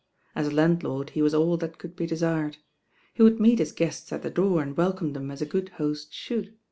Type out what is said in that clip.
As a landlord he was all that could be desired. He would meet his guests at the door and welcome them as a good host should.